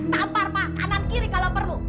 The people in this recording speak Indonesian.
tampar pak kanan kiri kalau perlu